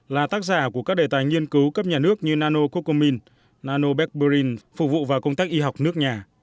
là tác giả của các đề tài nghiên cứu cấp nhà nước như nano cocomin nano berlin phục vụ vào công tác y học nước nhà